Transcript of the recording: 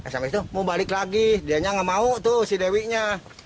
sampai itu mau balik lagi dia nggak mau tuh si dewi nya